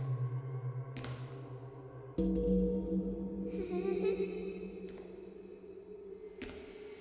・フフフフ。